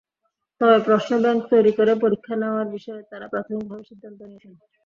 তবে প্রশ্নব্যাংক তৈরি করে পরীক্ষা নেওয়ার বিষয়ে তাঁরা প্রাথমিকভাবে সিদ্ধান্তও নিয়েছেন।